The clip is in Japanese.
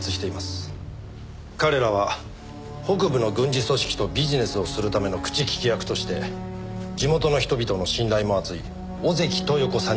彼らは北部の軍事組織とビジネスをするための口利き役として地元の人々の信頼も厚い小関豊子さんに目をつけた。